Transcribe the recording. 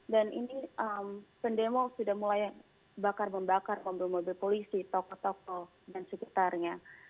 dan ini pendemo sudah mulai bakar membakar mobil mobil polisi toko toko dan sepertinya